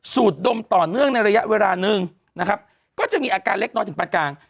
ดมต่อเนื่องในระยะเวลาหนึ่งนะครับก็จะมีอาการเล็กน้อยถึงปานกลาง